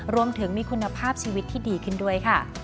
รวมถึงมีคุณภาพชีวิตที่ดีขึ้นด้วยค่ะ